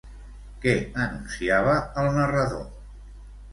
Què anunciava el narrador?